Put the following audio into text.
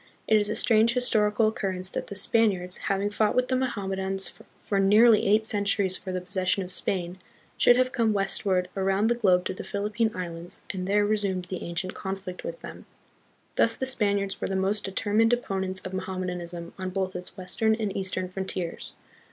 It is a strange historical occurrence that the Spaniards, having fought with the Mohammedans for nearly eight centuries for the possession of Spain, should have come westward around the globe to the Philippine Islands and there resumed the ancient conflict with them. Thus the Spaniards were the most determined opponents of Mohammedanism on both its western and eastern frontiers.